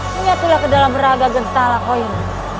miatulah ke dalam raga gentala koin